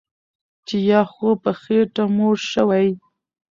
چې یا خو په خېټه موړ شوی